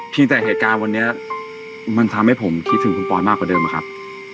แต่เหตุการณ์วันนี้มันทำให้ผมคิดถึงคุณปอยมากกว่าเดิมอะครับ